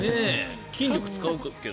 筋力使うけど。